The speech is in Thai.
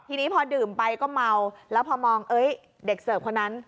ทีนี้พอดื่มไปก็เมาแล้วพอมองเด็กเสิร์ฟคนนั้น